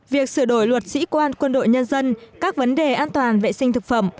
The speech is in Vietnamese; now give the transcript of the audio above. việc sửa đổi luật dĩ quan quân đội nhân dân các vấn đề an toàn vệ sinh thực phẩm